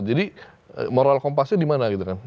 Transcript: jadi moral kompasnya dimana gitu kan